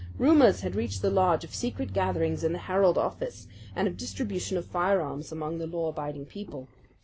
Rumours had reached the lodge of secret gatherings in the Herald office and of distribution of firearms among the law abiding people.